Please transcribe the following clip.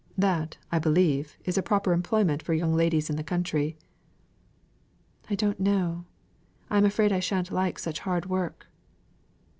That, I believe, is a proper employment for young ladies in the country." "I don't know. I am afraid I shan't like such hard work."